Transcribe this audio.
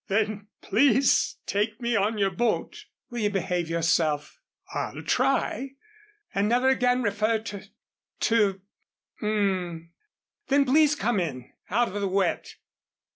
"Then please take me on your boat." "Will you behave yourself?" "I'll try." "And never again refer to to " "Um " "Then please come in out of the wet."